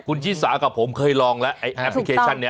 คุณชิสากับผมเคยลองแล้วแอปพลิเคชันนี้